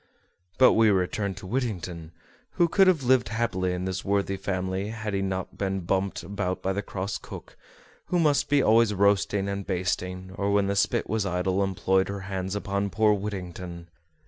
But we return to Whittington, who could have lived happy in this worthy family had he not been bumped about by the cross cook, who must be always roasting and basting, or when the spit was idle employed her hands upon poor Whittington!